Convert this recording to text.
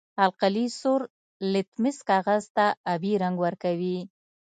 القلي سور لتمس کاغذ ته آبي رنګ ورکوي.